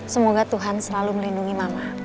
semoga tuhan selalu melindungi mama